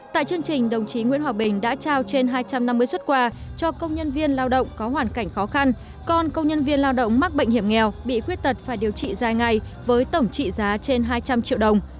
tại chương trình đồng chí nguyễn hòa bình đã trao trên hai trăm năm mươi xuất quà cho công nhân viên lao động có hoàn cảnh khó khăn còn công nhân viên lao động mắc bệnh hiểm nghèo bị khuyết tật phải điều trị dài ngày với tổng trị giá trên hai trăm linh triệu đồng